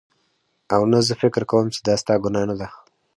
او نه زه فکر کوم چې دا ستا ګناه نده